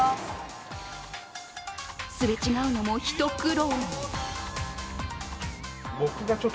すれ違うのも一苦労。